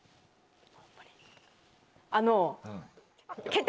あの。